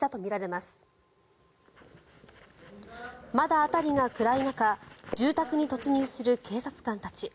まだ辺りが暗い中住宅に突入する警察官たち。